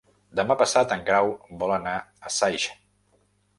Demà passat en Grau vol anar a Saix.